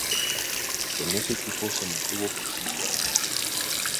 En ese equipo se mantuvo por cinco años.